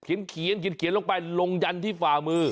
โอ้เนี่ยเขียนลงไปลงยันที่ฝ่ามือ